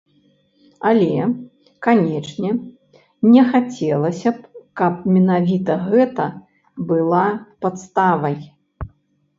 Але, канечне, не хацелася б, каб менавіта гэта была падставай.